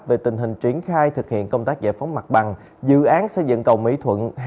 về tình hình triển khai thực hiện công tác giải phóng mặt bằng dự án xây dựng cầu mỹ thuận